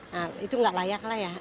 nah itu nggak layak lah ya